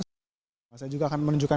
saya juga akan menunjukkan